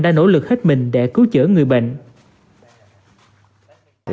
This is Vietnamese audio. đã nỗ lực hết mình để cứu chữa người bệnh